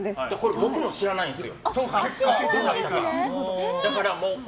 僕も知らないんですよ。